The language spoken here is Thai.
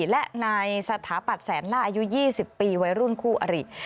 และนายสถาปัตย์แสนล่าอายุ๒๐ปีวัยรุ่นคู่อริ